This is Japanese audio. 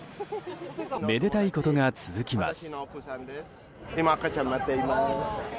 めでたいことが続きます。